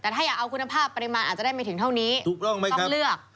แต่ถ้าอยากเอาคุณภาพปริมาณอาจจะได้ไม่ถึงเท่านี้ต้องเลือก